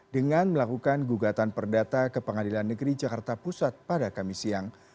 dengan melakukan gugatan perdata ke pengadilan negeri jakarta pusat pada kamis siang